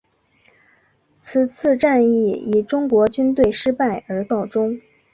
此次战役以中国军队失败而告终。